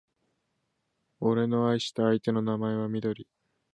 俺の愛した相手の名前はみどり